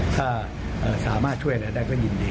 ถ้าสามารถช่วยอะไรได้ก็ยินดี